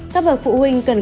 các vợ phụ huynh cần cố gắng